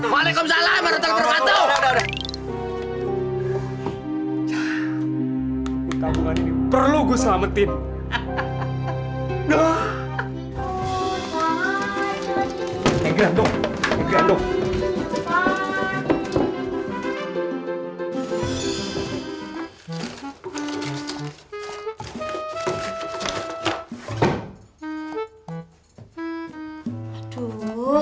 waalaikumsalam warahmatullahi wabarakatuh